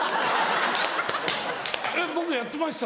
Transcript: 僕やってました？